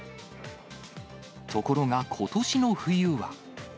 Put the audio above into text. ところがことしの冬は。